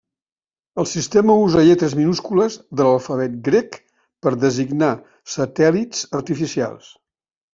El sistema usa lletres minúscules de l'alfabet grec per designar satèl·lits artificials.